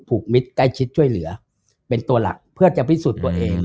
มิตรใกล้ชิดช่วยเหลือเป็นตัวหลักเพื่อจะพิสูจน์ตัวเอง